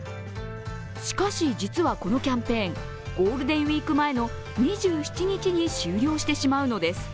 しかし、実はこのキャンペーン、ゴールデンウイーク前の２７日に終了してしまうのです。